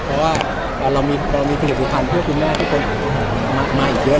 เพราะว่าเรามีประโยชน์สู่ครั้งพวกคุณแม่ทุกคนมาอีกเยอะ